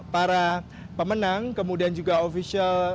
para pemenang kemudian juga ofisial